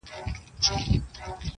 د هر قوم له داستانو څخه خبر وو-